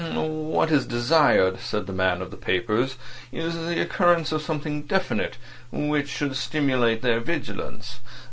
"What is desired," said the man of papers, "is the occurrence of something definite which should stimulate their vigilance.